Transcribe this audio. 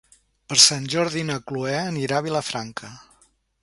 Per Sant Jordi na Cloè anirà a Vilafranca.